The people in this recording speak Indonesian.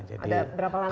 ada berapa lantai